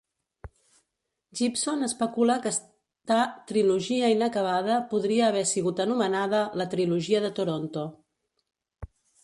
Gibson especula que està trilogia inacabada podria haver sigut anomenada la "Trilogia de Toronto".